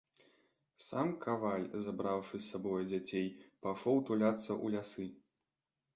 Сам каваль, забраўшы з сабою дзяцей, пайшоў туляцца ў лясы.